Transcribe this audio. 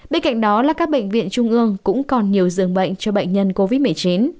bên cạnh đó là các bệnh viện trung ương cũng còn nhiều dường bệnh cho bệnh nhân covid một mươi chín